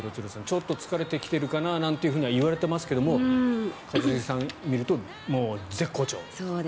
ちょっと疲れてきてるかななんて言われてますが一茂さんから見るともう絶好調。